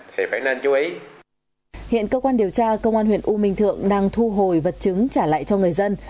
hiện cơ quan điều tra công an huyện u minh thượng đang thu hồi vật chứng trả lại cho người dân